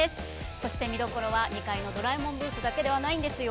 そして、見どころは２階の「ドラえもん」ブースだけではないんですよ。